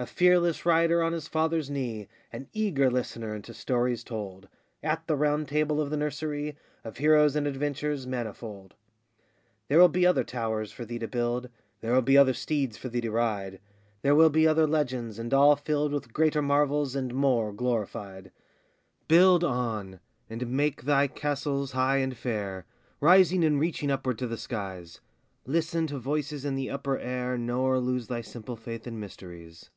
A fearless rider on his father's knee, An eager listener unto stories told At the Round Table of the nursery, Of heroes and adventures manifold. There will be other towers for thee to build; There will be other steeds for thee to ride; There will be other legends, and all filled With greater marvels and more glorified. Build on, and make thy castles high and fair, Rising and reaching upward to the skies; Listen to voices in the upper air, Nor lose thy simple faith in mysteries.